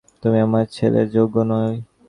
তুমি আমার ছেলের যোগ্য নও!